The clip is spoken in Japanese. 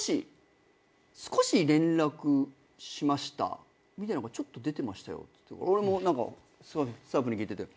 少し連絡しました」みたいなのがちょっと出てましたよって俺も何かスタッフに聞いてて。